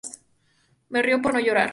Me río por no llorar